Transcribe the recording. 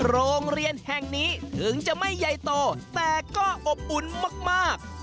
โรงเรียนแห่งนี้ถึงจะไม่ใหญ่โตแต่ก็อบอุ่นมาก